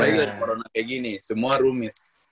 apalagi ada corona kayak gini semua rumit